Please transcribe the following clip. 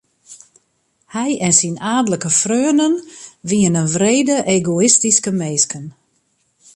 Hy en syn aadlike freonen wiene wrede egoïstyske minsken.